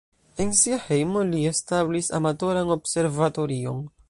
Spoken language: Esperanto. En sia hejmo li establis amatoran observatorion.